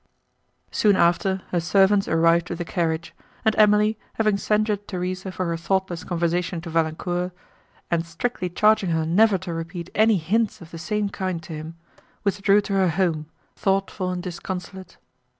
Soon after her servants arrived with the carriage, and Emily, having censured Theresa for her thoughtless conversation to Valancourt, and strictly charging her never to repeat any hints of the same kind to him, withdrew to her home, thoughtful and disconsolate.